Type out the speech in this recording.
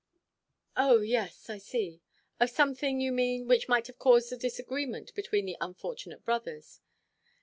"Oh, yes, I see. Of something, you mean, which might have caused a disagreement between the unfortunate brothers.